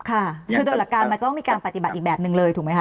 ค่ะคือโดยหลักการมันจะต้องมีการปฏิบัติอีกแบบหนึ่งเลยถูกไหมค